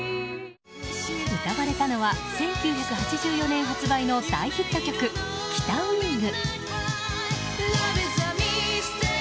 歌われたのは１９８４年発売の大ヒット曲「北ウイング」。